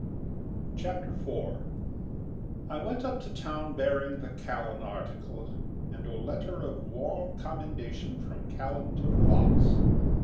CHAPTER FOUR I went up to town bearing the Callan article, and a letter of warm commendation from Callan to Fox.